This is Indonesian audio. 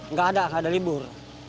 nggak ada nggak ada libur